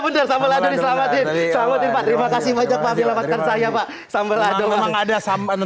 bener sambal adoh diselamatkan terima kasih banyak pak terima kasih banyak pak sambal adoh